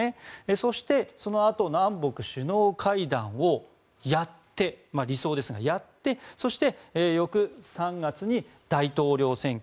そして、そのあと南北首脳会談をやって理想ですが、やって翌３月に大統領選挙。